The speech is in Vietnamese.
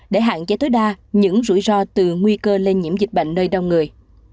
để hạn chế tối đa những rủi ro từ nguy cơ lây nhiễm dịch bệnh nơi đông người